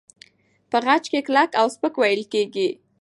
په خج کې کلک او سپک وېل کېږي.